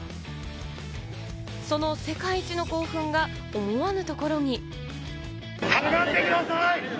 その世界一の興奮が思わぬところに。